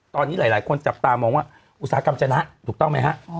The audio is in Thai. ตอนนี้หลายคนจับตามองว่าอุตสาหกรรมจนะถูกต้องไหมฮะ